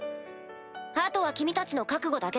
あとは君たちの覚悟だけだ。